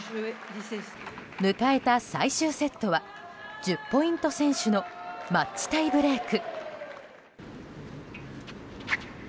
迎えた最終セットは１０ポイント先取のマッチタイブレーク。